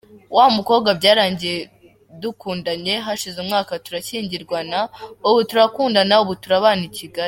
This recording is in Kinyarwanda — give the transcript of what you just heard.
Wamukobwa byarangiye dukundanye hashize umwaka turashyingirwanwa ubu turakundana ubu turabana I Kigali.